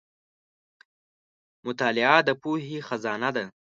• مطالعه د پوهې خزانه ده.